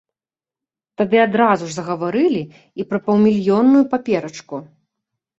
Тады адразу ж загаварылі і пра паўмільённую паперачку.